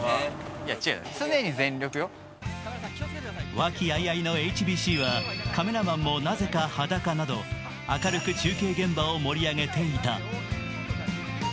和気あいあいのＨＢＣはカメラマンもなぜか裸など、明るく中継現場を盛り上げていた。